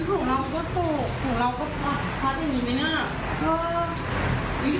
อุ๊ย